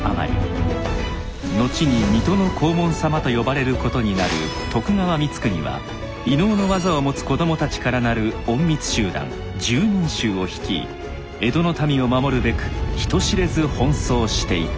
後に水戸の黄門様と呼ばれることになる徳川光圀は異能の技を持つ子供たちからなる隠密集団拾人衆を率い江戸の民を守るべく人知れず奔走していた